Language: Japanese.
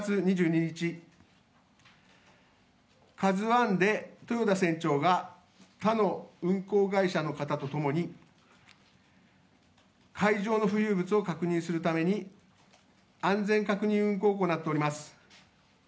４月２２日、「ＫＡＺＵⅠ」で豊田船長が他の運航会社の方とともに海上の浮遊物を確認するために安全確認運航を行っております。